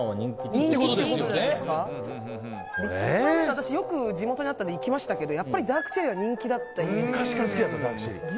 私、地元にあったんでよく行きましたけどやっぱりダークチェリーは人気だったイメージがありますね。